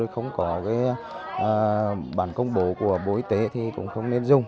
không có bản công bố của bộ y tế thì cũng không nên dùng